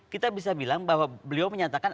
kita bisa bilang bahwa beliau menyatakan